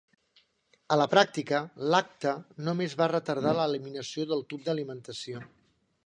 A la pràctica, lacte només va retardar l'eliminació del tub d'alimentació.